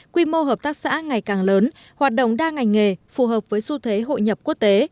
quy mô hợp tác xã ngày càng lớn hoạt động đa ngành nghề phù hợp với xu thế hội nhập quốc tế